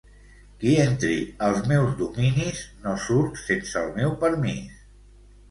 Qui entri als meus dominis no surt sense el meu permís.